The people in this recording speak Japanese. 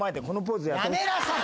やめなさい！